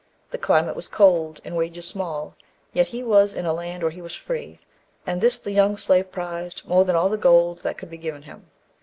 The climate was cold, and wages small, yet he was in a land where he was free, and this the young slave prized more than all the gold that could be given to him.